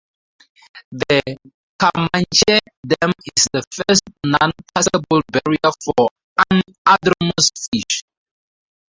The Camanche Dam is the first non-passable barrier for anadromous fish.